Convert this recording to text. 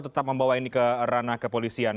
tetap membawa ini ke ranah kepolisian